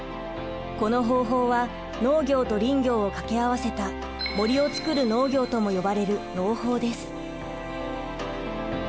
この方法は農業と林業を掛け合わせた森をつくる農業とも呼ばれる農法です。